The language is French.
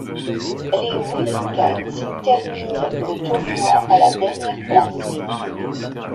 Les Wildcats termine le tournoi à la dernière place.